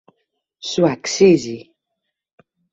Σου αξίζει!